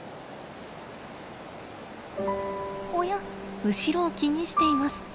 おや後ろを気にしています。